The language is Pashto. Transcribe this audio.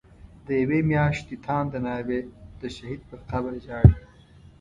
دیوی میاشتی تانده ناوی، د شهید په قبر ژاړی